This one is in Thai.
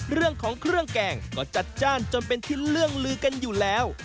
เรื่องของเครื่องแกงก็จัดจ้านจนเป็นที่เรื่องลือกันอยู่แล้ว